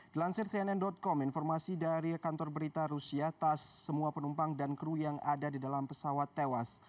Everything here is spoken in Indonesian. dilansir cnn com informasi dari kantor berita rusia tas semua penumpang dan kru yang ada di dalam pesawat tewas